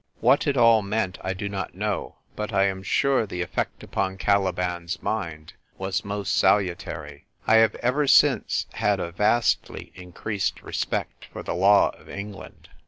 What it all meant I do not know ; but I am sure the effect upon Caliban's mind was most salu tary. I have ever since had a vastly increased respect for the law of England.